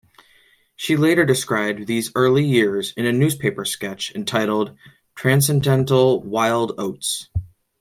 She later described these early years in a newspaper sketch entitled "Transcendental Wild Oats".